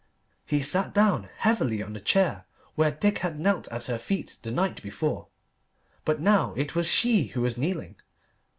He sat down heavily on the chair where Dick had knelt at her feet the night before. But now it was she who was kneeling.